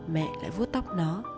mẹ lại vuốt tóc nó